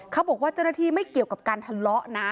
เขาบอกว่าเจ้าหน้าที่ไม่เกี่ยวกับการทะเลาะนะ